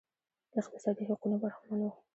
اقتصادي حقونو برخمن وو